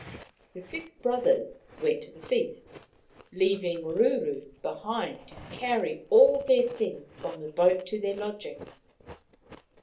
The six brothers went to the feast, leaving Ruru behind to carry all their things from the boat to their lodgings.